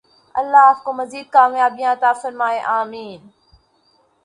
الله آپکو مزید کامیابیاں عطا فرمائے ۔آمین